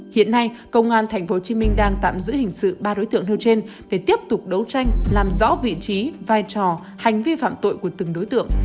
hiện nay công an tp hcm đang tạm giữ hình sự ba đối tượng nêu trên để tiếp tục đấu tranh làm rõ vị trí vai trò hành vi phạm tội của từng đối tượng